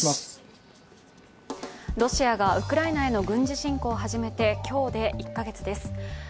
ロシアがウクライナへの軍事侵攻を始めて今日で１カ月です。